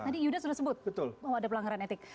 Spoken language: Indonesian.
tadi yuda sudah sebut bahwa ada pelanggaran etik